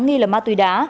nghi là ma túy đá